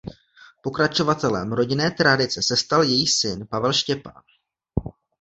Pokračovatelem rodinné tradice se stal její syn Pavel Štěpán.